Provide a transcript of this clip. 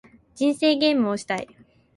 人生ゲームをしたい